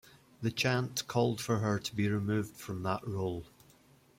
The chant called for her to be removed from that role.